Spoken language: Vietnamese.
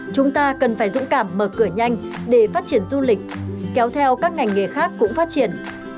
chúng ta cần phải dũng cảm mở cửa nhanh để phát triển du lịch kéo theo các ngành nghề khác cũng phát triển